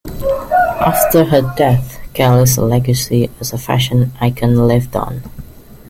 After her death, Kelly's legacy as a fashion icon lived on.